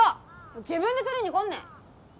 自分で取りにこんね！